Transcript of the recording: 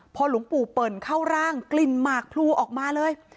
พอหลวงปู่เปิ่นเข้าร่างกลิ่นหมากพลูออกมาเลย